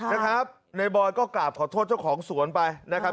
นะครับในบอยก็กราบขอโทษเจ้าของสวนไปนะครับ